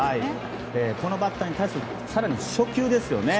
このバッターに対する初球ですよね。